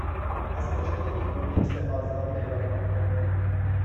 از کجا یک یونیکس آزاد پیدا کنم؟